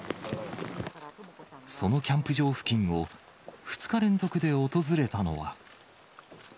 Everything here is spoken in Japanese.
そのキャンプ場付近を、２日連続で訪れたのは。